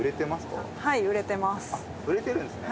売れてるんですね。